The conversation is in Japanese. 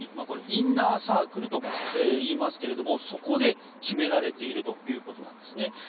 これ、インナーサークルとも言いますけどそこで決められているということなんですね。